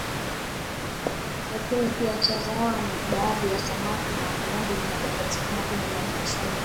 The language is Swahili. Lakini pia chaza hawa ni baadhi ya samaki na viumbe vinavyopatikana kwenye maji chumvi